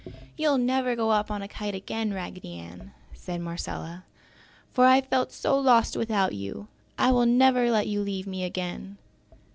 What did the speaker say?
"You'll never go up on a kite again, Raggedy Ann!" said Marcella, "for I felt so lost without you. I will never let you leave me again."